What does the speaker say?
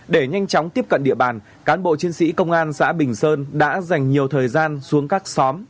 để nhanh chóng tiếp cận địa bàn cán bộ chiến sĩ công an xã bình sơn đã dành nhiều thời gian xuống các xóm